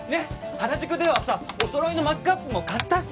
原宿ではさお揃いのマグカップも買ったし。